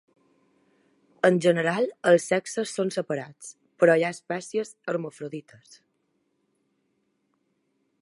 En general, els sexes són separats, però hi ha espècies hermafrodites.